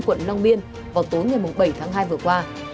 quận long biên vào tối ngày bảy tháng hai vừa qua